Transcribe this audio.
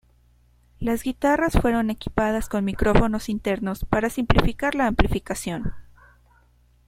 Las guitarras fueron equipadas con micrófonos internos para simplificar la amplificación.